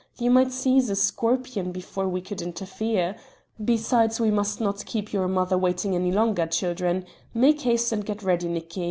You might seize a scorpion before we could interfere. Besides, we must not keep your mother waiting any longer, children; make haste and get ready, Nicki."